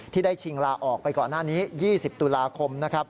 ที่ได้ชิงลาออกไปก่อนหน้านี้๒๐ตุลาคมนะครับ